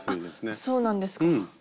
あっそうなんですか。